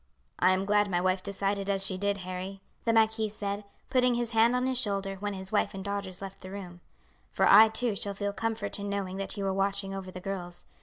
"I am glad my wife decided as she did, Harry," the marquis said, putting his hand on his shoulder when his wife and daughters left the room, "for I too shall feel comfort in knowing that you are watching over the girls.